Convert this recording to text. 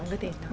ông có thể nói